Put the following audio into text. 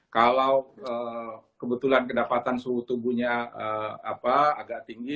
kalau kebetulan kedapatan suhu tubuhnya agak tinggi